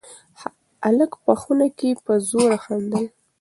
هلک په خونه کې په زوره خندل.